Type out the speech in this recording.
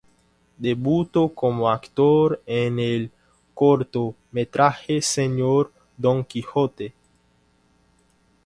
Debutó como actor en el cortometraje "Señor Don Quijote".